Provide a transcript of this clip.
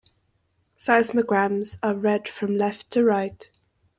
Seismograms are read from left to right.